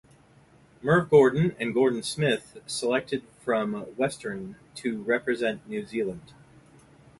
Merv Gordon and Gordon Smith selected from Western to represent New Zealand.